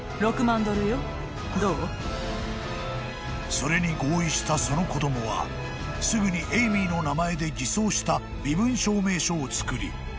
［それに合意したその子供はすぐにエイミーの名前で偽装した身分証明書を作り世に現れた］